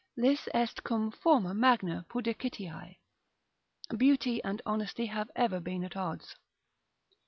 Lis est cum forma magna pudicitiae, beauty and honesty have ever been at odds.